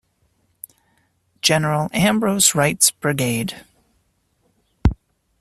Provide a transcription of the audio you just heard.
Gen. Ambrose Wright's brigade.